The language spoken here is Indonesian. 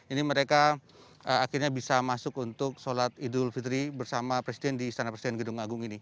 ini mereka akhirnya bisa masuk untuk sholat idul fitri bersama presiden di istana presiden gedung agung ini